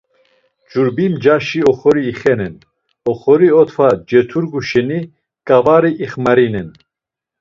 Ç̆urbi mcaşi oxori ixenen, oxori otfa ceturgu şeni ǩavari ixmarinen.